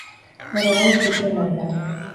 Gaur egun Zipren ari da.